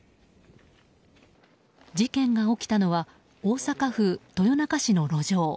事件が起きたのは大阪府豊中市の路上。